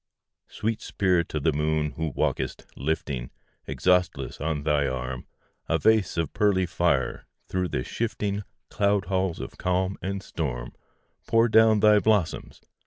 II Sweet Spirit of the Moon, who walkest, lifting, Exhaustless on thy arm, A vase of pearly fire, through the shifting Cloud halls of calm and storm, Pour down thy blossoms!